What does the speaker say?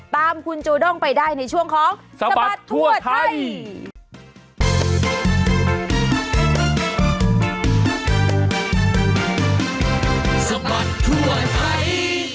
ตามคุณจูด้งไปได้ในช่วงของสบัดทั่วไทย